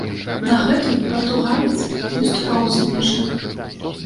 Дагэтуль партугалец не выступаў у замежжы.